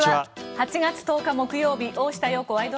８月１０日、木曜日「大下容子ワイド！